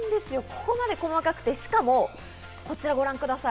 ここまで細かくて、しかもこちらをご覧ください。